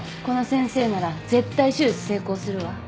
この先生なら絶対手術成功するわ。